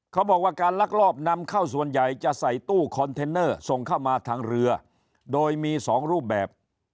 เขาบอกว่าการลักลอบนำเข้าส่วนใหญ่จะใส่ตู้คอนเทนเนอร์ส่งเข้ามาทางเรือโดยมีสองรูปแบบ